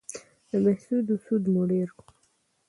د بهسودو سود مو ډېر کړ